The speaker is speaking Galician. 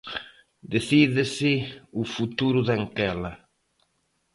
Decídese o futuro de Anquela.